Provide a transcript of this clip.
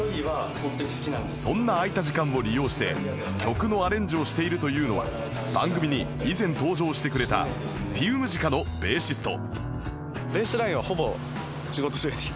そんな空いた時間を利用して曲のアレンジをしているというのは番組に以前登場してくれたピウムジカのベーシスト